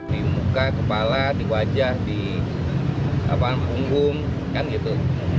di muka kepala di wajah di punggung kan gitu